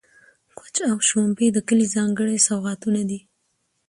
کوچ او شړومبې د کلي ځانګړي سوغاتونه دي.